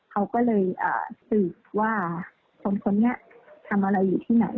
เขาก็เลยสืบว่าคนนี้ทำอะไรอยู่ที่ไหน